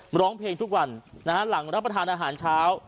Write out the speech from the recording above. ร้องเพลงทุกวันนะฮะหลังรับประทานอาหารเช้า